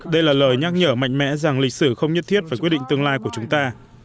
đây là lời nhắc nhở mạnh mẽ rằng lịch sử không nhất thiết phải quyết định tương lai của chúng ta